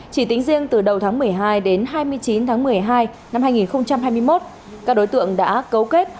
chỉ tính riêng từ đầu tháng một mươi hai đến hai mươi chín tháng một mươi hai năm hai nghìn hai mươi một các đối tượng đã cấu kết